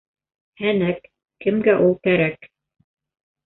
Һәнәк, кемгә ул кәрәк?